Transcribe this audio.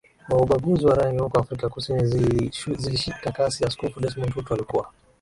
wa ubaguzi wa rangi huko Afrika Kusini zili shika kasi Askofu Desmond Tutu alikuwa